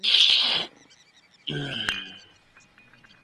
এতে বেলা দুইটা থেকে তিনটা পর্যন্ত মহাসড়কে যান চলাচল বন্ধ থাকে।